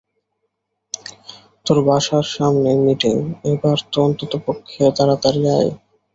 তোর বাসার সামনে মিটিং, এবার তো অন্ততপক্ষে তাড়াতাড়ি আয়।